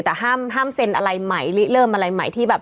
แต่ห้ามเซ็นอะไรใหม่เริ่มอะไรใหม่ที่แบบ